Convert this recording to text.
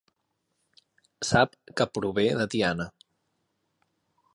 Sap que prové de Tiana.